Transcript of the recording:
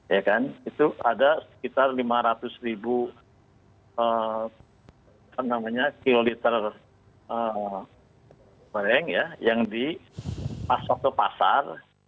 ya kan itu ada sekitar lima ratus ribu kiloliter goreng ya yang dipasok ke pasar